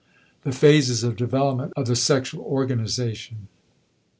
*The Phases of Development of the Sexual Organization.